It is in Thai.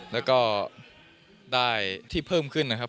แล้วก็ได้ที่เพิ่มขึ้นนะครับ